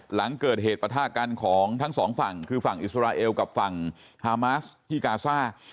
หลังเกิดเหตุประทากันของทั้งสองฝั่งคือฝั่งอิสราเอลกับฝั่งฮามาสที่กาซ่า